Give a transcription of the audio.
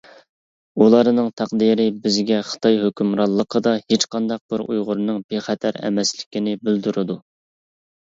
ئۇلارنىڭ تەقدىرى بىزگە خىتاي ھۆكۈمرانلىقىدا ھېچقانداق بىر ئۇيغۇرنىڭ بىخەتەر ئەمەسلىكىنى بىلدۈرىدۇ.